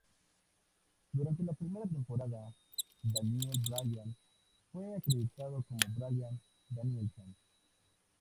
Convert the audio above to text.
Durante la primera temporada, Daniel Bryan fue acreditado como Bryan Danielson.